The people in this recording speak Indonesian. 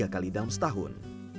tiga kali dalam setahun